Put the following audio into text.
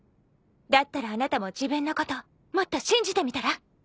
だったらあなたも自分のこともっと信じてみたら？